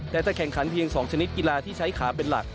แต่จะแข่งขันเพียง๒ชนิดกีฬาที่ใช้ขาเป็นหลัก